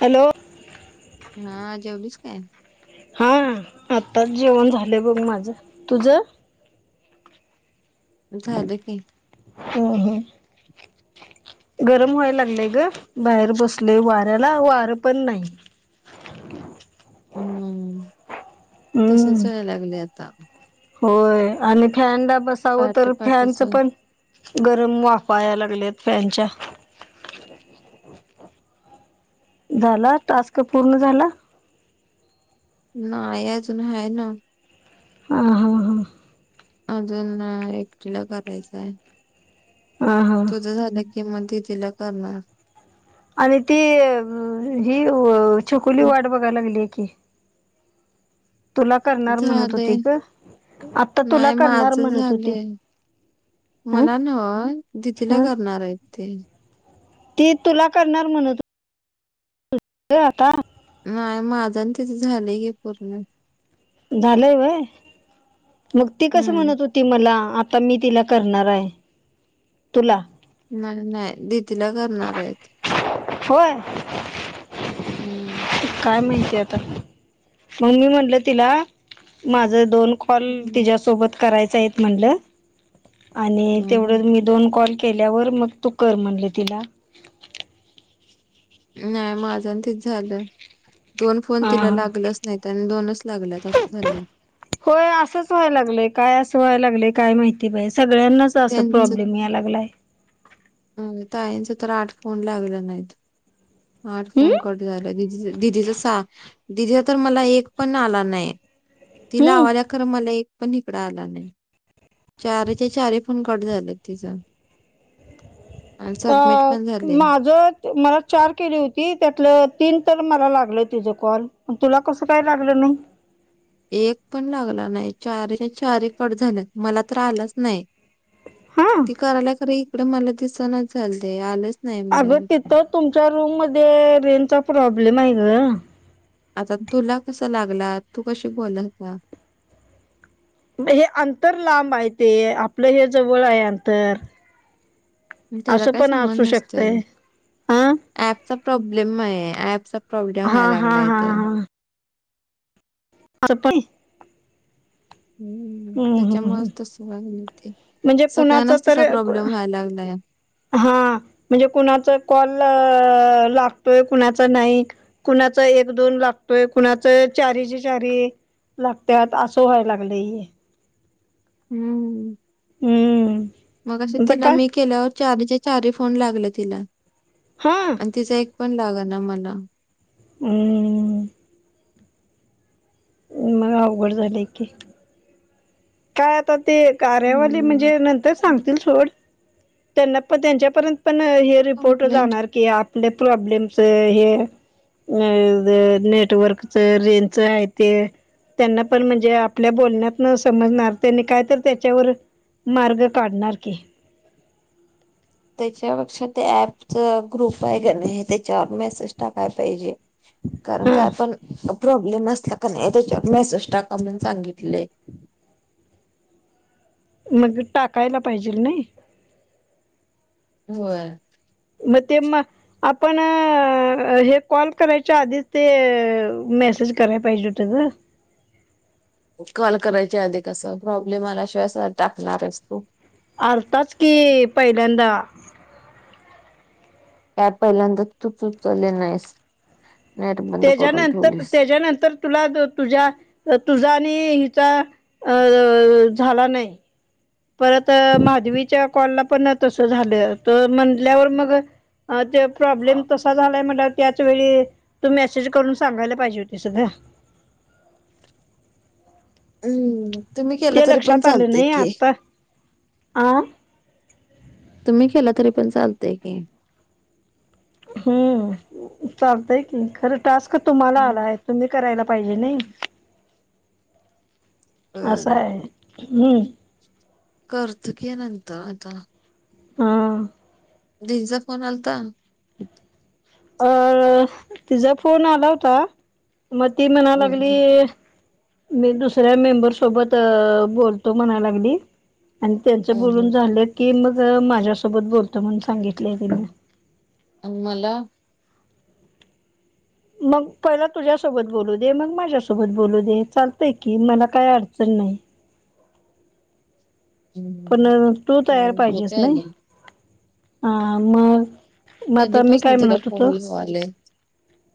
Hello! हा जेवलीस काय? हा, आत्ताच जेवण झालं बघ माझं, तुझं? झालं की. हं हं. गरम व्हायला लागलेय ग, बाहेर बसलोय वाऱ्याला वारं पण नाही. हम्म तसंच हम्म व्हाय लागले आता. होय आणि फॅनला बसावं पहाटे तर पहाटेच फॅनच पण गरम वाफा याय लागलेत फॅनच्या. [inaudible] झाला टास्क पूर्ण झाला. नाही अजून हाय नव्हं. हा हा हा. अजून एकटिला करायचंय. अ. हा. तुझ झालं की मग दीदीला करणार. आणि ती ही व चकुली वाट बघायला लागली की. तुला करणार म्हणत झालंय होती ग आता तुला नाही करणार माझं म्हणत होती झालंय. हं मला नव्हं दीदीला हं करणार आहेत ते. ती तुला करणार म्हणत ते आता. नाही माझं आणि तिझ झालं ग पूर्ण. झालीय व्हय, मग ती कसं हम्म म्हणत होती. ती मला आता मी तिला करणार हाय, तुला मला नाय. दिदीला करणार येत. होय. हम्म काय माहिती आता, म्हणून म्हटलं तिला माझ दोन कॉल हम्म तिच्यासोबत करायचाईत म्हणलं, आणि तेवढ हम्म. मी दोन कॉल केल्यावर मग तू कर म्हणली तिला नाय. माझं अनं तिझ झालं. दोन फोन हा तिला हा लागलच नाहीत. आणि दोनच लागल्यात असं झालंय. होय. असंच व्हायला लागलंय. काय असं व्हाय लागय काय माहिती बाय, सगळ्यांनाच त असं प्रॉब्लेम याय लागलाय. हं ताईंचा तर आठ फोन लागल नाहीत. आठ फोन हम्म कट झाल दीदींचेच. दिदीच सहा, दीदींचा तर मला एक पण आला नाय. ती हम्म लावल्यात खरं मला एक पण इकडं आला नाय. चारिचे चारी फोन कट झालेत तिच अ पण झालंय. माझं मला चार केली होती. त्यातलं तीन तर मला लागलं तिझ कॉल, पण तुला कसं काय लागलं नाय. एक पण लागला नाय. चारीच्या चारी कट झाल्यात. मला तर आलाच नाय. हा ती करायला खर, इकडे मला दिसनाच झालते, आलंच नाही मला अगं हे. तिथं तुमच्या रूम मध्ये रेंनचा प्रॉब्लेम हाय ग आता, तुला कसां लागला. तू कशी बोलाता म्हणजे अंतर लांब हाय ते, आपलं हे जवळ आहे अंतर पण त्याचा असं काय पण असू शकतय. अ अँपचा प्रॉब्लेम आहे. ऍपचा प्रॉब्लेम व्हाय हा हा हा लागलाय तो हा [unintelligible] हम्म, हम्म हम्म त्याच्यामुळेच तस व्हालय ते. म्हणजे कुणाच सगळ्यांनाच तसा तर प्रॉब्लेम व्हायला लागलाय. हा म्हणजे, कुणाचा कॉल लागतोय. कुणाच नाही कुणाच एक दोन लागतोय. कुणाचं चारीचे चारी लागत्यात असं व्हाय लागलंय हे. हम्म हम्म मगाशी आता तिला काय मी केल्यावर, चारीच्या चारी फोन लागले तिला हा तिचा एक पण लागणा मला हूं हूं मग अवघड झालयं की, काय आता ते कार्यावाली हम्म. म्हणजे, नंतर सांगतील सोड. त्यांना पण, त्यांच्यापर्यंत पण हे रिपोर्ट कंप्लेंट जाणार की, आपले प्रॉब्लेमस हे अ नेटवर्कच, रेंजच हाय ते त्यांना पण म्हणजे, आपल्या बोलण्यातनं समजणार त्यांनी काय तर त्याच्यावर मार्ग काढणार की, त्याच्यापेक्षा ते ऍपच ग्रुप हाय कनय त्याच्यावर मेसेज टाकाय पाहिजे. कारण हा काय पण प्रॉब्लेम असला कनी त्याच्यावर मेसेज टाका म्हूनन सांगितलय. मग टाकायला पाहिजेल नाही. होय. म ते म आपण हे कॉल करायच्या आधीच ते मेसेज करायला पाहिजे होते ग. कॉल करायच्या आधी कस? प्रॉब्लेम आल्या शिवाय टाकणार आहेस तू? आलताच की पहिल्यांदा. त्या पहिल्यांदा तूच ऊचलली नाहीस. नेट बंद करून त्याच्यानंतर ठेवलीस त्याच्यानंतर तुला तुझ्या तुझा आणि हिचा अ झाला नाही. परत माधवीच्या कॉल ला पण तसं झालं, तर म्हटल्यावर मग अ ते प्रॉब्लेम तसा झालाय म्हणल्यावर त्याच वेळी तू मेसेज करून सांगायला पाहिजे होतीस ग. हम्म. तुम्ही केलं ते तरी पण लक्षात आल चालतय नाही, की आत्ता आ? तुम्ही केलं तरी पण चालतय की. हम्म चालतय की खरं टास्क तुम्हाला हम्म आलाय. तुम्ही करायला पाहिजे नाही, असं हाय. हम्म. करतो की नंतर आता. हां. दिदीचा फोन आलता. अ तिचा फोन आला होता मग ती म्हणा लागली हम्म मी दुसऱ्या मेंबर सोबत बोलतो म्हणा लागली. आणि त्यांचं बोलून हम्म झालं की मग माझ्यासोबत बोलतो म्हणून सांगितलंय तिनं. आन मला मग पहिला तुझ्यासोबत बोलू दे, मग माझ्यासोबत बोलू दे, चालतंय की, मला काय अडचण नाही. पण हम्म तू तयार पाहिजेस झोप नाही, यायली हा मग. म आता मी काय कधीपासून तिला म्हणत फोन होतो, लावालोय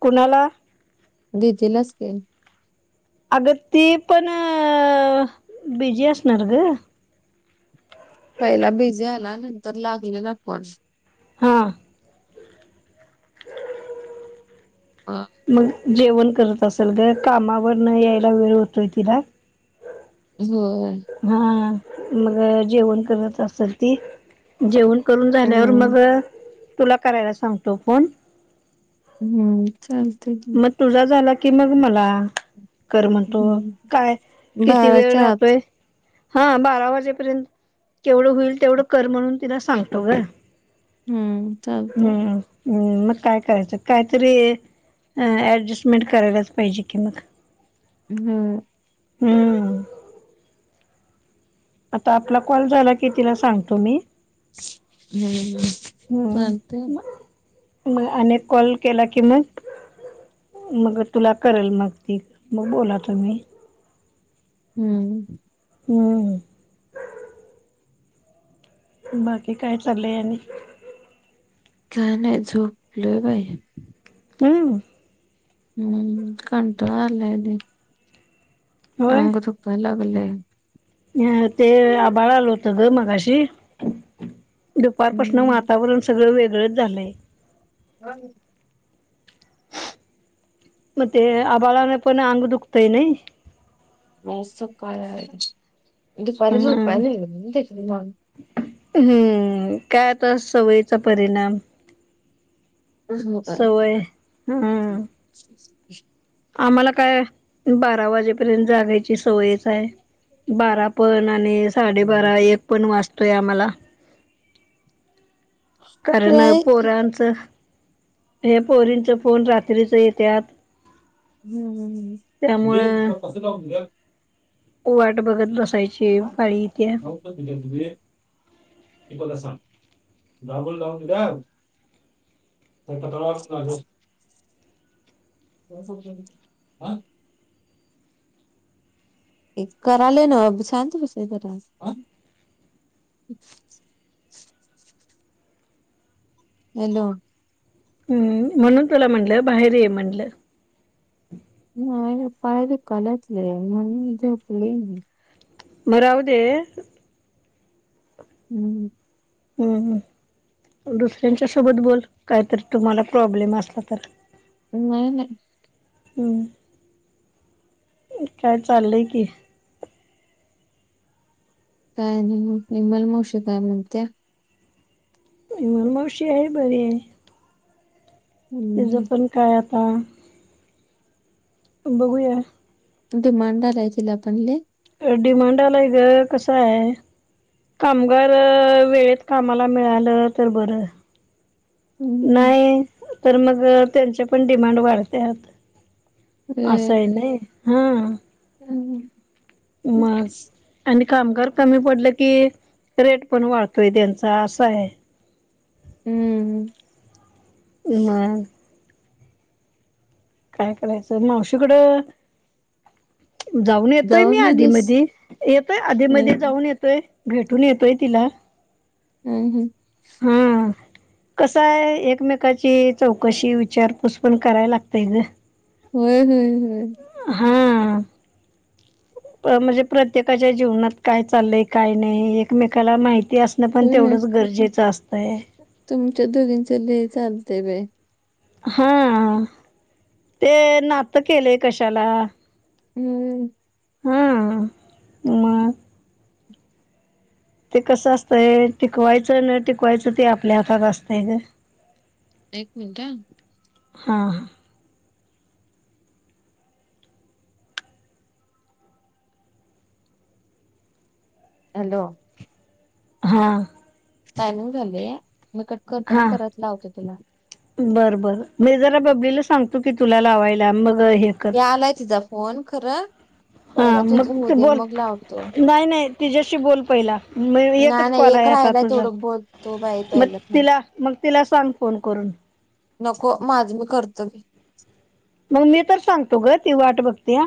कुणाला दीदीलाच की. अग ती पण बिझी असणार ग. पहिला बिझी आला नंतर लागलेला पण हां. हा. मग जेवण करत असल ग, कामावरन यायला वेळ होतोय तिला. होय. हा, मग जेवण करत असल ती, जेवण करून झाल्यावर हम्म मग व तुला करायला सांगतो फोन हम् चालतय की. मग तुझा झाला की मग मला कर म्हणतो हम्म काय किती वेळ बाराच्या आत राहतोय हा बारा वाजेपर्यंत केवढं होईल तेवढं कर म्हणून तिला सांगतो ग. हम्म चालतंय. हम्म हम् मग काय करायचं, काहीतरी ॲडजस्टमेंट करायलाच पाहिजे की मग. हम्म. हम्म. आता आपला कॉल झाला की तिला सांगतो मी. हम्म, चालतंय. म अने कॉल केला की मग मग तुला करेल मग ती, मग बोला तुम्ही. हम्म. हम्म. बाकी काय चाललंय आणि? काय नाय, झोपलोय बाय. हम्म. हम्म, कंटाळा आलाय लय. अंग धुपाय लागलंय. ह, ते आबाळ आलं होतं ग मगाशी. दुपारपसन हम्म वातावरण सगळं वेगळंच झालंय. होय. म ते आबाळाने पण अंग दुखतय नाय? पाऊसच सकाळ. [unintelligible] दुपार हम्म झोपायलेग. [unintelligible] हम्म, काय आता सवयीचा परिणाम. सवय, हम्म. [unintelligible] आम्हाला काय, बारा वाजेपर्यंत जागायची सवयच हाय. बारा पण, आणि साडेबारा एक पण वासतोय आम्हाला. कारण नाही. पोरांचं, हे पोरींचं फोन रात्रीच येत्यात. हम्म त्यामुळं हम्म हम्म. वाट बघत बसायची. पाळी येत्या. [inaudible] [unintelligible] [unintelligible] [unintelligible] [unintelligible] [unintelligible] [unintelligible] आ? एक कराले ना शांत बसा जरा. आ? हेलो? हम्, म्हणून तुला म्हणलं बाहेर ये म्हणलं. नाय पाय दुखायलेत लई म्हणून झोपले मी. म रावदे. हम्म. हम्, हम. दुसऱ्यांच्या सोबत बोल. कायतरी तुम्हाला प्रॉब्लेम असला तर. नाय नाय. हम्म, काय चाललंय की? काय नाय. विमल मावशी काय म्हणत्या? विमल मावशी हाय बरी. हम्म तिजपण काय आता बघूया. डिमांड आलंय तिला पण लय. डिमांड आलंय ग, कस हाय कामगार अ वेळेत कामाला मिळालं तर बरं. हम्म हम्म. नाही तर मग त्यांच्या पण डिमांड वाढत्यात. असं आहे नाय हा. हम्म हम्म. मग आणि कामगार कमी पडले की रेट पण वाढतोय त्यांचा असा हाय. हम्म हम्म. ए मग काय करायचं मावशीकडं जाऊन येतोय मी आदी मधी येतोय आधी मध्ये हम्म जाऊन ये तोय भेटून येतोय तिला. हम्म हम्म. हां. कसं आहे एकमेकाची चौकशी विचारपूस पण करायला लागतेय गं. होय होय होय. हा. प म्हणजे प्रत्येकाच्या जीवनात काय चाललंय काय नाही एकमेकाला माहिती अस न पण होय तेवढंच गरजेचं असतं आहे. तुमच्या दोघींचा लय चालतेय बय. हा ते नातं केलेय कशाला. हम्म हम्म हम्म. हा मग. ते कसं असतंय टिकवायचं नाय टिकवायचं ते आपल्या हातात असतंय गं. एक मिनटं हा हा. हॅलो. हा. टायमिंग झालेया मी कट करतो आणि हा परत लावते तुला. बरं बरं मी जरा बबलीला सांगतो की तुला लावायला मग हे. कर ये आलाय तिजा फोन खरं पहिरा हा मग तुझं होऊ तू दे बोल मग लावतो. नाही नाही तीज्याशी बोल पहिला. मय नाही एकच नाही कॉल एक आहे आता राहायला तुझा तेवढं बोलतो बाई म पहिलं थांब. तिला मग तिला सांग फोन करून. नको माझं मी करतं की. मग मी तर सांगतो गं ती वाट बघत्या.